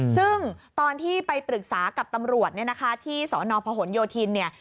ซึ่งตอนที่ไปปรึกษากับตำรวจที่สนประหลโยชน์เนี่ย